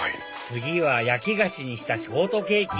次は焼き菓子にしたショートケーキ！